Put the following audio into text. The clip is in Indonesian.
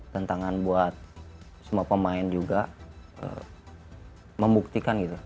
tentangan buat semua pemain juga membuktikan gitu